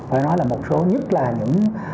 phải nói là một số nhất là những